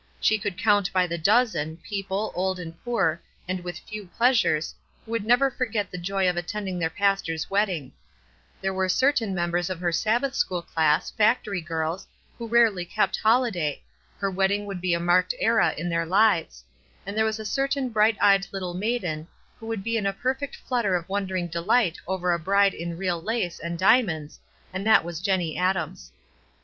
She could count by the dozen, people, old and poor, and with few pleasures, who would never forget the joy of attending their pastor's wedding; there were certain members of her Sabbath school class, factory girls, who rarely kept holiday, — her wedding would bo a marked era in their lives ; there was a certain bright eyed little maiden, who would be in a perfect flutter of wondering delight over a bride in real lace and diamonds, and that was Jennie Adams.